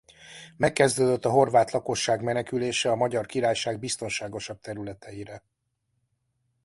Megkezdődött a horvát lakosság menekülése a Magyar Királyság biztonságosabb területeire.